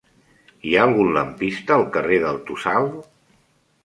Hi ha algun lampista al carrer del Tossal?